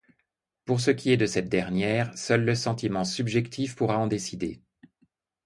Pour ce qui est de cette dernière, seul le sentiment subjectif pourra en décider.